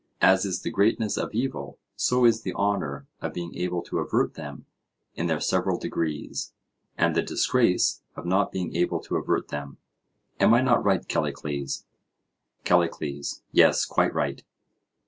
As is the greatness of evil so is the honour of being able to avert them in their several degrees, and the disgrace of not being able to avert them. Am I not right Callicles? CALLICLES: Yes, quite right.